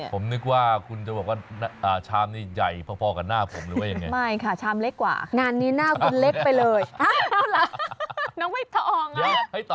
ผมนึกว่าคุณจะบอกว่าชามนี้ใหญ่พอกับหน้าผมหรือว่ายังไง